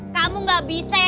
kamu gak bisa ya